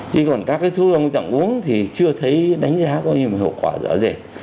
thì còn các thuốc chống uống thì chưa thấy đánh giá có những hiệu quả rõ rệt